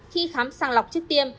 khi khám sang lọc trước tiêm